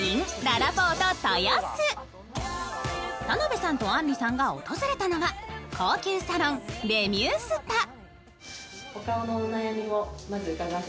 田辺さんとあんりさんが訪れたのは、高級サロン、レミュースパ。